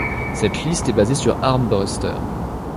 Cette liste est basée sur Armbruster.